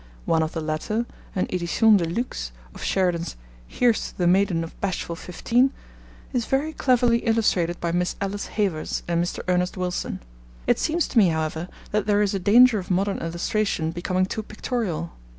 One of the latter, an edition de luxe of Sheridan's Here's to the Maiden of Bashful Fifteen, is very cleverly illustrated by Miss Alice Havers and Mr. Ernest Wilson. It seems to me, however, that there is a danger of modern illustration becoming too pictorial.